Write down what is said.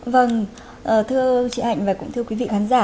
vâng thưa chị hạnh và cũng thưa quý vị khán giả